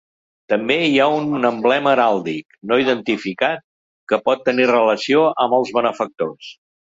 També hi ha un emblema heràldic, no identificat, que pot tenir relació amb els benefactors.